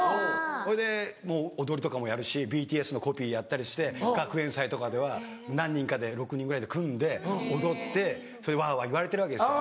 それで踊りとかもやるしＢＴＳのコピーやったりして学園祭とかでは何人かで６人ぐらいで組んで踊ってそれでワワ言われてるわけですよ。